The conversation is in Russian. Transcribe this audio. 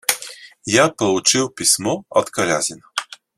Я получил письмо от Колязина.